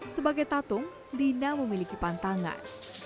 sebagai tatung lina memiliki pantangan